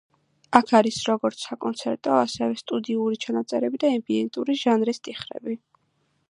აქ არის როგორც საკონცერტო, ასევე სტუდიური ჩანაწერები და ემბიენტური ჟანრის ტიხრები.